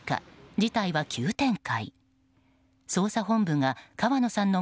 事態は急展開。